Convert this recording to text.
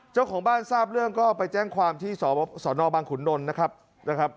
เจ้าของบ้านทราบเรื่องก็ไปแจ้งความที่สนบังขุนนลนะครับนะครับ